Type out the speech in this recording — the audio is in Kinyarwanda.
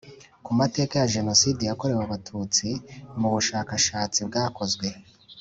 ku mateka ya Jenoside yakorewe Abatutsi muri Ubushakashatsi bwakozwe